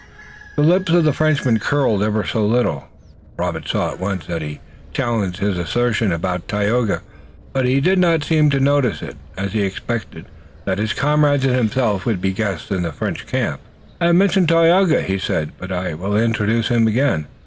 The lips of the Frenchman curled ever so little. Robert saw at once that he challenged his assertion about Tayoga, but he did not seem to notice it, as he expected that his comrades and himself would be guests in the French camp. "I have mentioned Tayoga," he said, "but I will introduce him again.